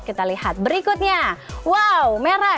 kita lihat berikutnya wow merah